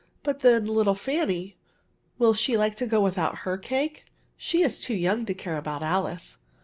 But then, little Fanny — will she like to go without her cake ? She is too yotmg to care about AKce."